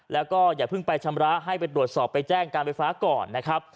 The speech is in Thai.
แล้วก็อย่าเพิ่งไปชำระให้ไปตรวจสอบไปแจ้งการไฟฟ้าก่อนนะครับ